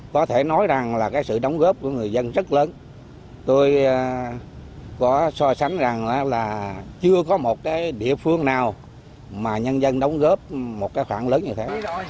có thể nói rằng là cái sự đóng góp của người dân rất lớn tôi có so sánh rằng là chưa có một cái địa phương nào mà nhân dân đóng góp một cái khoảng lớn như thế